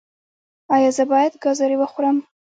ایا زه باید ګازرې وخورم؟